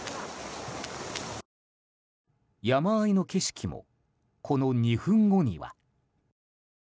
山あいの景色もこの２分後には。